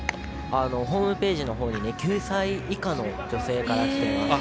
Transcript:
ホームページのほうに９歳以下の女性からきてます。